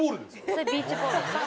それビーチボール。